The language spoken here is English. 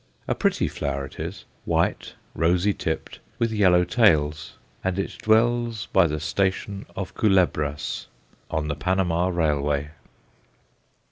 A pretty flower it is white, rosy tipped, with yellow "tails." And it dwells by the station of Culebras, on the Panama railway.